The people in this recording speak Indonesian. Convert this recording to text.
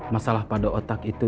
masalah pada otak itu